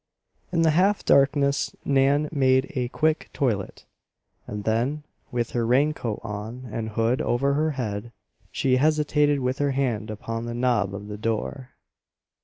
In the half darkness Nan made a quick toilet; and then, with her raincoat on and hood over her head, she hesitated with her hand upon the knob of the door.